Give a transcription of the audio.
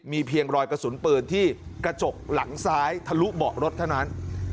เพียงรอยกระสุนปืนที่กระจกหลังซ้ายทะลุเบาะรถเท่านั้น